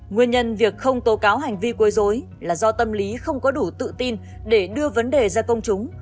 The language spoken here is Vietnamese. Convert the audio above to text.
nguyên nhân việc không tố cáo hành vi quấy dối là do tâm lý không có đủ tự tin để đưa vấn đề ra công chúng